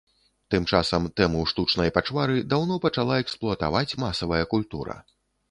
Тым часам тэму штучнай пачвары даўно пачала эксплуатаваць масавая культура.